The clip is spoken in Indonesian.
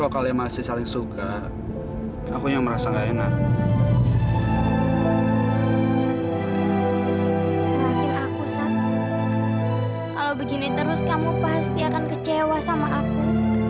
kalau begini terus kamu pasti akan kecewa sama aku